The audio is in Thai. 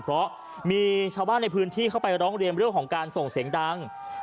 เพราะมีชาวบ้านในพื้นที่เข้าไปร้องเรียนเรื่องของการส่งเสียงดัง